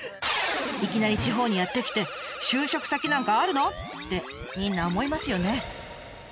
いきなり地方にやって来て就職先なんかあるの？ってみんな思いますよね。